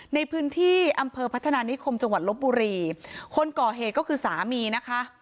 ในพื้นที่อำเภอพัฒนานิคมจังหวัดลบบุรีคนก่อเหตุก็คือสามีนะคะ